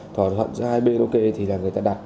thỏa thuận giữa hai bên ok thì là người ta đặt